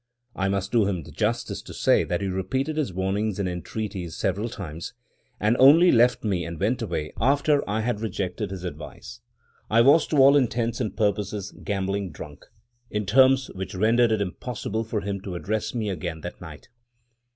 I must do him the justice to say that he repeated his warnings and entreaties several times, and only left me and went away after I had rejected his advice (I was to all intents and purposes gambling drunk) in terms which rendered it impossible for him to address me again that night.